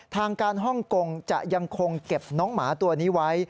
ทางการฮ่องกงจะยังคงเก็บน้องหมาตัวนี้ไว้